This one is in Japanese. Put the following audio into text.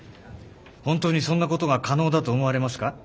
本当にそんなことが可能だと思われますか？